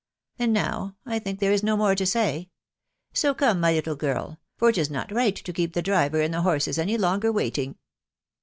... And now, 1 think, there is no more to say ; so come, my little girl, for it is not right to keep the driver and the horses any longer waiting."